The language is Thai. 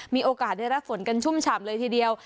มีโอกาสได้รับฝนกันชุ่มฉ่ำเลยทีเดียว